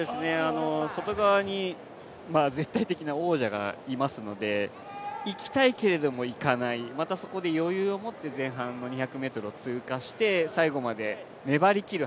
外側に絶対的な王者がいますので、行きたいけれども行かないまたそこで余裕を持って前半の２００ｍを通過して、最後まで粘りきる